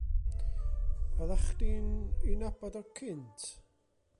Oddach chdi'n 'i nabod o cynt?